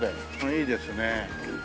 いいですね。